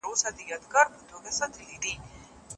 نه یې څه پیوند دی له بورا سره